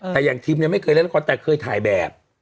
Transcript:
แต่อย่างทิมเนี่ยไม่เคยเล่นละครแต่เคยถ่ายแบบ